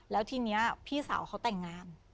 แล้วทีนี้พี่สาวเขาแต่งงาน